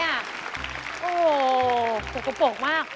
โอ้โหสกปรกมาก